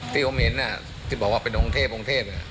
ที่ผมเห็นที่บอกว่าเป็นองค์เทพองค์เทพ